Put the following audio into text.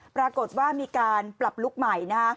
ปรากฏว่ามีการปรับลุคใหม่